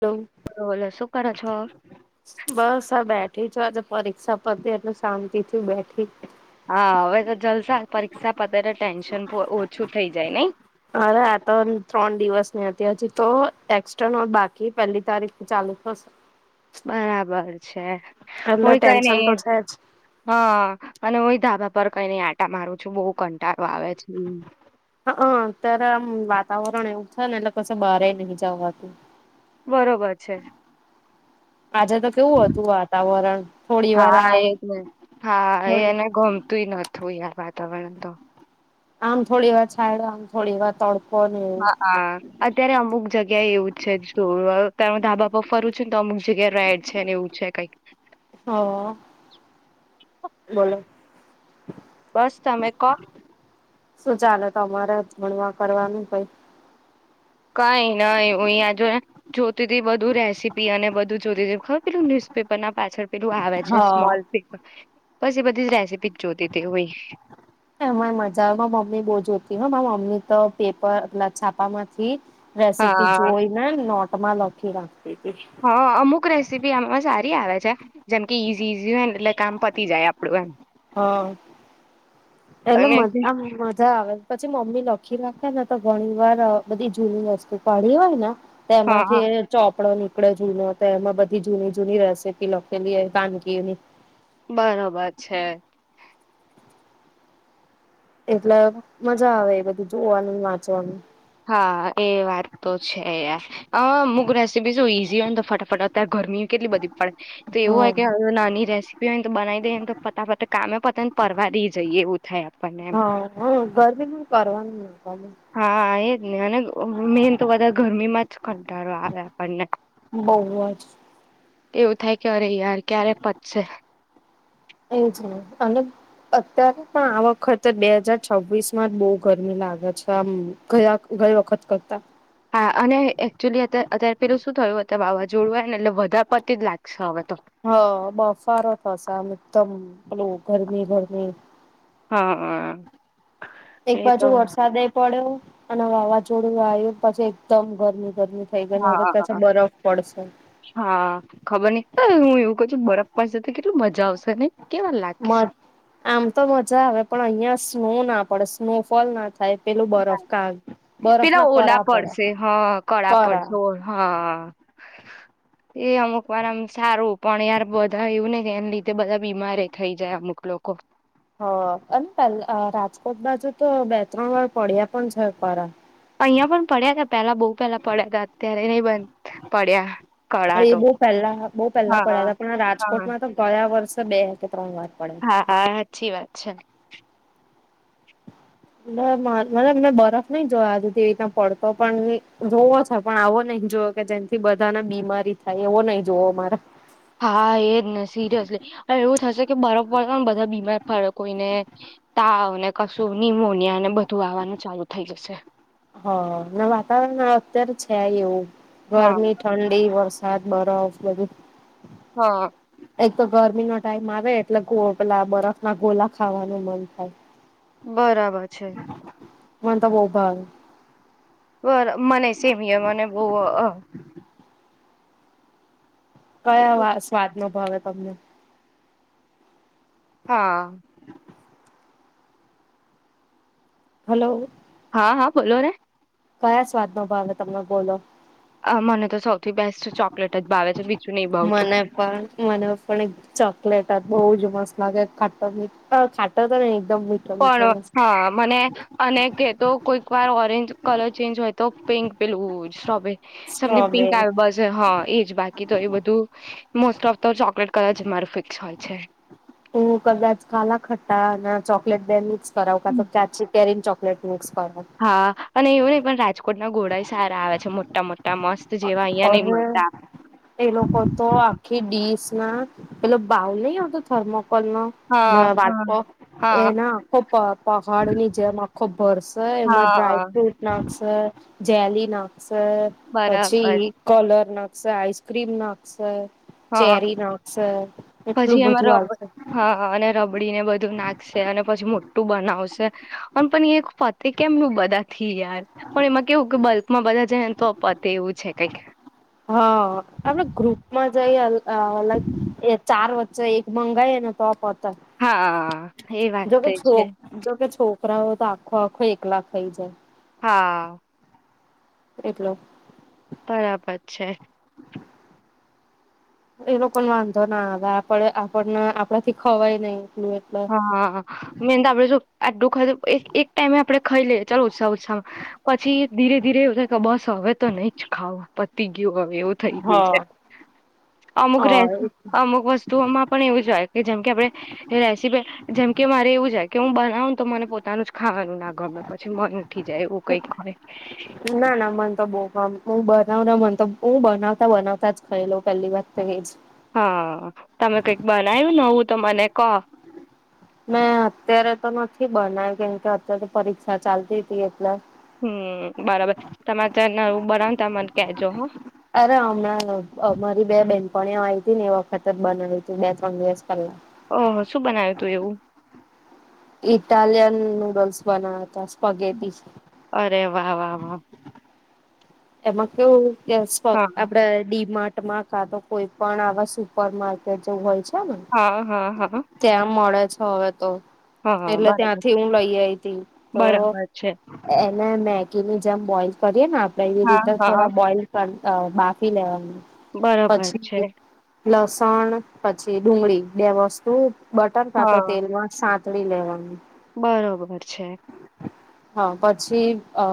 Hello, બોલો શું કરો છો? બસ આ બેઠી. આજે પરીક્ષા પતી, એટલે શાંતિથી બેઠી. હા, હવે તો જલસા. પરીક્ષા પતે તે ટેન્શન પો ઓછું થઈ જાય, નઈં? અરે, આ તો ત્રણ દિવસની હતી. હજી તો, એક્સ્ટર્નલ બાકી, પેલ્લી તારીખથી ચાલુ થશે. બરાબર છે. હું એટલે ય કંઈ ટેન્શન તો નઈં, છે જ હા અને હું ય ધાબા પ ઉપર કઈને આંટા મારું છું. બહ કંટાળો આવે છે. હ, અત્યારે આમ વાતાવરણ એવું છે, ને એટલે કશ બહારે નહી જવાતું. બરોબર છે. આજે તો કેવું હતું વાતાવરણ થોડી વાર હા, આમ એજ ને હા થોડી એને ગમતુંય નતું યાર વાત વાતાવરણ એ તો આમ થોડી વાર છાયડો આમ થોડી વાર તડકો ને એવું હા હા, અત્યારે અમુક જગ્યા જગ્યા એવું જ છે. જો ત ધાબા પર ફરું છે, ને અમુ જગ્યા રેડ છે ને એવું છે કંઈક હ, બોલો! બસ તમે કહો શું ચાલે તમારે? ભણવા કરવાનું કઈ? કઈ નહી હું અહીયા જો જોતી ત બધું રેસીપી અને બધું જોતી ખર પેલું ન્યુઝપેપર ના પાછળ પેલું આવે છે. હા સ્મોલ પીક પછી બધી જ રેસીપી જોતી હતી હોય એમાંય મજા આવે મા મમ્મી બો જોતી. હ મા મમ્મી તો પેપર ઓલા છાપા માંથી રેસીપી જોઈ ને નોટ તમા લખી રાખું. હ અમુક રેસીપી આમાં સારી [unintelligible] આવે છે જેમ કે ઈઝી-ઈઝી હોય એટલે કામ પતી જાય આપડું એમ. હા એટલે મ અને જે- આમ મજા આવે. પછી મમ્મી લ ખી રાખે ને તો ઘણી વાર અહ બધી જૂની વસ્તુ કાઢી હોય ને હા હા તેમાંથી ચોપડો ની પડો જૂનો હતો એમાં બધી જૂની-જૂની રેસીપી લખેલી એ વાનગીની બરોબર છે. એટલે મજા આવે એ બધી જોવાનું, વાંચવાનું. ઈ તો છે યાર. અમુક રેસીપી શું ઈઝી હોય ને તો ફટાફટ અતારે ઘરમી કેટલી બધી પડે તે એવુ હોય હા કે અહ નાની રેસિપીઓ હોય ને બનાવી દે ને તો ફટાફટ કામે પતે ને પરવા દી જઈએ એવું થાય આપણને એમ હા, હા ગરમી નું કરવાનું તમે હા એજ ને અને અહ મેન તો વધાર ઘરમીમાં જ કંટાળો આવે આપણને. બોવ જ. એવું થાય કે અરે યાર ક્યારે પતશે. એજ ને, અને અત્યારે પણ આ વખત બે હાજાર છવ્વીસ માં જ બોવ ગરમી લાગે છે આમ ઘયા ગઈ વખત કરતા. હા અને એકચુઅલી અત અત્યારે પેલું શું થયું હત તો વાવાઝોડ આયને એટલે વધા પતી જ લાગશે હવે. તો હા, બફારો થસે આમ એકદમ પેલું ગરમી-ગરમી. હમ્મ. એક બાજુ વરસાદે પડ્યો અને વાવાઝોડું આયું પછી એકદમ ગરમી. ગરમી થઈ ગઈ ને હવે કે છે હા બરફ પડશે હા ખબર હા નઈ હું એવું કુ છું બરફ પાસ જતી કેટલી મજા આવશે. ને કેવા લાગીશ માં આમ તો મજા આવે પણ અયાં સ્નો ના પડે સ્નો ફોલ ના થાય પેલું બરફ કા બહુ બરફ ના પેલા કરા ઓલા પડે પડશે હા કળા કરા પડશે હા. એ અમુક વાર આમ સારું પણ યાર બધા એવું ને કે એને લીધે બધા બીમારે થઈ જાય અમુક લોકો. હ અને પલ અહ રાજકોટ બાજુ તો બે ત્રણ વાર પડ્યા પણ છે પરા. અહીયા પણ પડ્યા કે પેલા બહુ પેલા પડ્યા હતા અત્યારે નહીં બન પડ્યા. કળા એ તો બહુ પહેલા બહુ પહેલા હા પડ્યા હા હતા પણ હા રાજકોટમાં તો ગયા વર્ષ તો બે ત્રણ વાર પડ્યા. હા આ હાચી વાત. અચ્છા મતબ મેં બરફ નહી જોયો આજુથી રીતના પડતો પણ જોવો છે પણ આવો નહી જોયો કે જેથી બધાને બીમારી થાય એવો નહી જોવો મારે હા એજ ને સિરિયસલી એવું થશે કે બરફર પણ બધા બીમાર ફડે કોઈને તાવને કશું નિમોનિયા ને બધું આવવાનું ચાલુ થઈ જશે હ હમણાં વાતાવરણ અત્યારે છે એવું હા ગરમી ઠંડી વરસા સાડ બરફ બધું હા એક તો ગરમીનો ટાઈમ આવે એટલે ગો પેલા બરફ ના ગોલા ખાવાનું મન થાય. બરાબર છે મનતો બો ભાવે બર મનેય સેમ હિઅર મને બહુ અ કયા વા સ્વાત ન ભાવે તમને. હા. હલો. હા હા બોલોને. કયા સ્વાદનો ભાવ તમને? બોલો. અ મને તો સૌથી બેસ્ટ ચોકલેટ જ ભાવે છે બી મને પણ મને પણ એક ચોકલેટ જ બઉ જ મસ્ ત લાગે ખાટો મી ખાટો તો નહીં. પણ હા મને અને કેતો કોઈક વાર ઓરેન્જ કલર ચેન્જ હોય તો પિંક પેલું સ્ટ્રોબે સમને પિંક સ્ટ્રોબેરી આવે બસ હા એજ બાકી તો એ બધું મોસ્ટ ઓફ તો ચોકલેટ કલર જ મારો ફિક્સ હોય છે. તું કદાચ કાલાખટ્ટા ને ચોકલેટ બે મિક્સ કરાવું કાતો તો કાચી કેરી ને ચોકલેટ મિક્સ કરાવ હા અને એવું નઈ પણ રાજ કોટના ઘોડાય સારા આવે છે મોટા-મોટા મસ્ત. જેવા અહિયાં નહી અરે, મળતા. એ લોકો તો આખી ડીશ ના પેલો બાઉલ નહીં આવતો થર્મોક્ કોલનો હા વાટકો હા એના આખો પ પહાડની જેમ આખો ભરસે એમાં હા ડ્રાયફ્રુટ નાખશે જેલિના શે પછી બરાબર કલર નાખશે, આઈસ્ક્રીમ નાખશે હા ચેરી નાખશે પછી એટલું એમાં બધું રબ આવશે હા અને રબડી ને બધ ધુ નાખશે અને પછી મોટું બનાવશે અન પણ યે ખ પતે કેમનું બધા થી યાર પણ એમાં કેવું કે બલ માં બધા જન હોયને તો અ પતે એવું છે કંઈક. હા આપડે ગ્રુપમાં જઈ અ લાઈક એ ચાર વ એક મંગાઈએ ને તો પ તે હા એ વાત જોકે તો છે છોક જોકે છોક છોકરાઓ તો આખો આખો એકલા ખઈ જાય હા એકલો બરાબર છે એલોકો ને વાંધો ના આવે આપડ આપણને આપડા થી ખવાય નહી એટલું એટલે હા મેન તો આપડે જો આટલું ખઈલે એક ટાઈમે આપડે તો ખઈ લે ચાલો ઉસા ઉસા પછી ધીરે ધીરે એવું થાય કે બસ હવે તો નઈ જ ખાવ પતી કેવું હવે એવું થઈ ગયું હા છે અમુક હ અમુક વસ્તુઓમાં પણ એવું જ હોય કે જેમ કે આપડે રે જેમકે મારે એવું જાય કે હું બનાવ તો મને પોતાનું જ ખાવાનું ન ગમેં પછી મન ઉઠી જાય એવું કઈ હોય ના મને તો બહુ ગમ [unintelligible] ના મને તો હું બનાવતા બનાવતા જ ખાઈ લઉ પેલી વાત તો જ હા તમે કઈક બનાવ્યું નવું તો મને કો મેં અત્યારે તો નથી બનાય કેમ કે અત્યારે તો પરીક્ષા ચાલતી હતી એટલે. હમ્મ બરાબર તમાર ને બનાવતા મને કેજો હ. અરે હમણાં અમારી બે બેન. પણ એ આવી હતી ને એ વખત જ બનાવીયું તું બે ત્રણ દિવસ પહેલા. ઓહ શું બનાવ્યું તું એવું. ઇટાલયન નૂડલસ બનાતા. પગેતી. અરે વાહ વાહ વાહ. એમાં કેવુ. હા આપણા ડીમા મા કા તો કોઈ પણ આવા સુપર માર્કેટ જેવું હોય. હા હા હા ત્યાં મળે. છ આવે તો. હા એટલે બરાબર ત્યાંથી હું લઈ આવીઈ તી તો. બરાબર છે મેગી ની જેમ બોઈલ કરીએ હા હા થોડા બોઈલ ત બાફી લેવાનું. બરોબર છે. પછી લસણ, પછી ડુંગળી, બે વસ્તુ બટર કાં તો હા તેલમાં સાંત તળી લેવાનું. બરોબર છે. હા, પછી, અ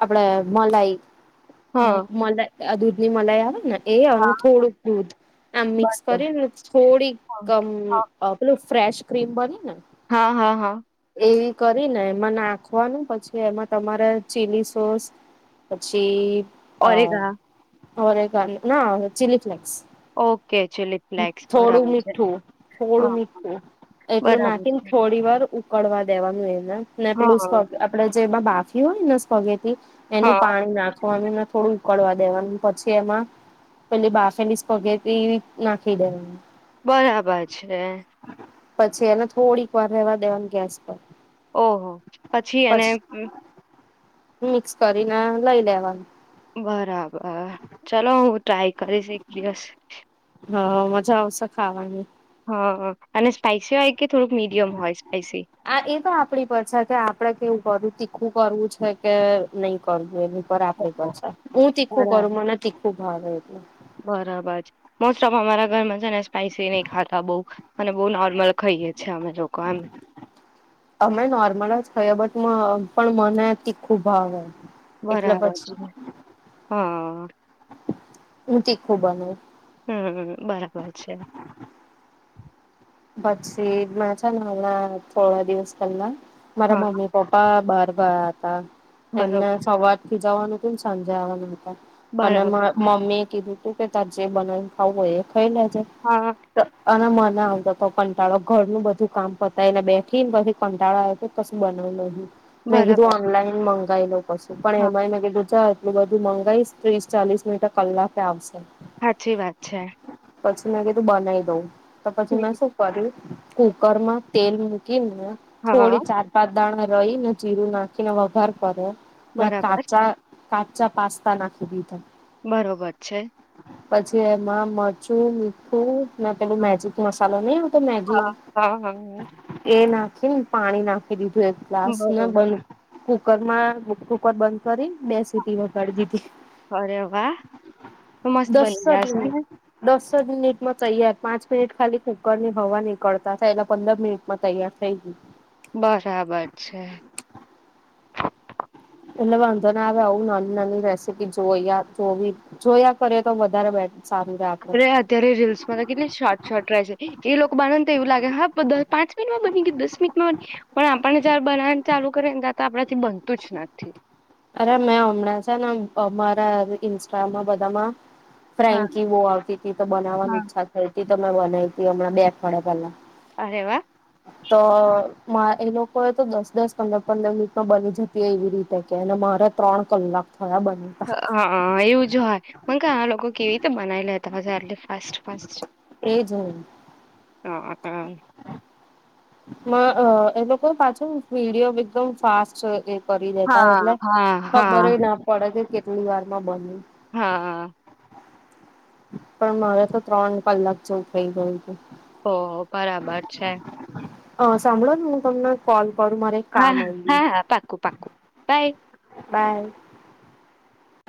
આપડે. મલાય હા હં મલા અ દૂધની મલાઈ આવેને એ અને હા થોડુંક દૂધ આમ મિક્સ બરોબર કરીને થોડીક અમ હા આ પેલું ફ્રેશ ક્રીમ બની હા હા હા. કરીને એમાં નાખવાનું પછી એમાં તમારે ચીલી સોસ પછી ઓરેગા ઓરેગા ન ના અવે chilli flakes. Okay chilli flakes થોડું બરાબર છે. મીઠું થોડું હા, મીઠું એટલું બરાબર નાખીને છે. થોડી વાર ઉ કડવા દેવાનું એ ને પેલું સ હા, આપડે જેમાં બાફ થી હોય ને [unintelligible] એનું હા. પાણી નાખ વાનુંને થોડું ઉકળવા દેવાનું પછી એમાં પેલી બાફેલી સ્ફગેથી નાખી દેવાનું. બરાબર છે. પછી એને થોડીક વાર રહેેવા દેવાની ગેસ પર ઓહો પછી એને મિક્ષ કરીને લઈ લેવાનું. બરાબર ચલો હું ટ્રાય કરીશ એક દિવસ. હ મજા આવશે ખાવાની. હ અને સ્પાઈસી હોય કે થોડુંક મીડિયમ હોય સ્પાઈસી? આ એ તો આપડી પર છે કે આપડે કેવું કરું તીખું કરવું છે કે નહીં કરવું એ પર આપડી પર ઓહો! છે હું તીખું કરું બરાબર મને તીખું મારેય બરાબર છે. મોસ્ટ ઓફ અમારા ઘરમાં છે ને સ્પાઈસી નહીં ખાતા બહુ અને બહુ નોર્મલ ખઈએે છે અમે લોકો એમ. અમે નોર્મલ જ ખઈએ બટ પણ મને તીખું ભાવે. એટલે બરાબર પછી છે. હા. ઉ તીખું બનાવું. હમ્મ હમ્મ બરાબર છે. પછી મે છે હમણાં થોડા દિવસ પહેલા મારા હા, મમ્મી પપ્પા બહાર ગયા હતા. બરો એમને સવારે થી જવાનું હતું ને સાંજે આવાનું અને બરાબર. મ મમ્મી કીધું તું કે તાર જે બનાવ ખાવું એ થઈ લેજે હા. તો અને મને આવડે તો કંટાળો ઘરનું બધું કામ પતા એલે બેઠી ને પછી કંટાળો આવે તો કશું બનાવ. મે કીધુ બરાબર. ઓનલાઈન મં ગાય લવ. પછી પણ હા, એમાં એને કીધું જાવ એટલું બધું મંગાવીશ, ત્રીસ ચાલીસ મિનટે કલાકે આવ હાચી વાત છે. પછી મે કેેધુ બનાઈ દઉં. તો પછી મેં હમ, શું કુકર માં તેલ મુક એમ ને હા, થોડી ચાર પાંચ દાણા રહી ને જીરું નાખીને વઘાર કરે. ના બરાબર. કાચા કાચા પાસ્તા નાખી દીધા. બરોબર છે. પછી એમાં મરચું, મીઠું ના, પેલું હા, મેજિક મસાલો નહી આ હા, હા, હમ્મ. તે નાખી ને પાણી નાખી દી ધે ગ્લાસ ને બરોબર. બંધ કર માં કુ-કુકર બંધ કરી બે સી ટી વગાડી દીધી, અરે વાહ! મસ્ત દસ બની અજ ગયા છે મિનિટ ને? દસ અજ મિનિટમાં તૈયાર પાંચ મિનિટ ખાલી કુકરની હવા નીકળતા થાય એલા પંદર મિનિટમાં તૈયાર થઈ ગયું. બરાબર છે. એટલે વાંધો આવે આવું નાની નાની રેસીપી જોયા જોવી જોયા કરએ તો વધારે બેઠ અરે અત્યારે રીલ્સમાં તો કેટલી શોર્ટ શોર્ટ રેસિ. એ લોકો બનાએ તો એવું લાગે હા દ પાંચ મિનિટમાં બની કે દસ મિનિટમાં બ પણ આ પણ જારે બનાવને ચાલુ કરી ને ત આપડા થી બનતું જ નથી. અરે મેં હમણાં છે ને અહ અમારા ઇન્સ્ટામાં બધામાં હા, ફ્રેન્કી બો આવતી હતી તો બનાવાની હા. ઈચ્છા થઈ તી તો મેં બનાઈ થી હમણાં બે અઠવાડિયે પેલા. અરે વા. તો માં એ લોકો એ તો દસ દસ પંદર પંદર મિનિટમાં બની જતી એવી રીતે. છે ને મારા ત્રણ કલાક થયા બનાવતા અહ હા, એવું જ હોય. મન કા આ લોકો કેવી રીતે બનાવી લેતા હશે આટલે ફાસ્ટ ફાસ્ટ. એજોન. હા આન. મ અહ એ લોકો પાછું વિડિયો એકદમ ફાસ્ટ જોવા જઈ કરી દેતા હોય હા એટલે હા ખબર હા ના પડે છે કે કેટલી વાર માં બને. હા. પણ મારે તો ત્રણ કલાક જેવું થઈ ગયું. હતું. ઓહ, બરાબર છે. અહ સાંભળો હું તમને કોલ કરું મારે એક હા કામ આવી હા ગયું હા પાકું પાકું બાય. બાય.